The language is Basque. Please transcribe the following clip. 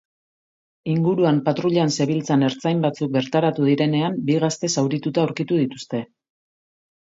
Inguruan patruilan zebiltzan ertzain batzuk bertaratu direnean, bi gazte zaurituta aurkitu dituzte.